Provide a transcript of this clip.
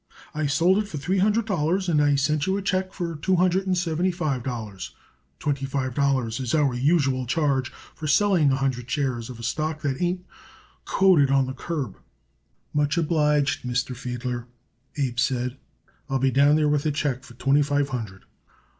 I sold it for three hundred dollars and I sent you a check for two hundred and seventy five dollars. Twenty five dollars is our usual charge for selling a hundred shares of stock that ain't quoted on the curb." "Much obliged, Mr. Fiedler," Abe said. "I'll be down there with a check for twenty five hundred."